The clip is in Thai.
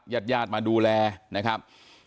ญาติญาติมาดูแลนะครับ